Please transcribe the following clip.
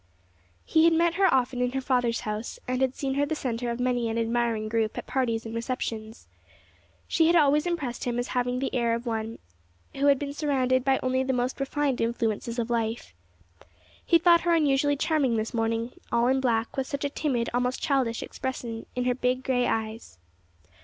He had met her often in her father's house, and had seen her the center of many an admiring group at parties and receptions. She had always impressed him as having the air of one who had been surrounded by only the most refined influences of life. He thought her unusually charming this morning, all in black, with such a timid, almost childish expression in her big, gray eyes.